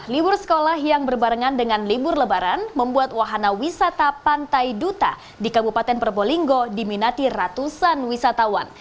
libur sekolah yang berbarengan dengan libur lebaran membuat wahana wisata pantai duta di kabupaten probolinggo diminati ratusan wisatawan